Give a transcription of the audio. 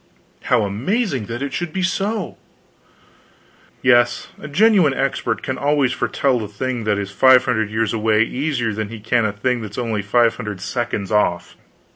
"How amazing that it should be so!" "Yes, a genuine expert can always foretell a thing that is five hundred years away easier than he can a thing that's only five hundred seconds off."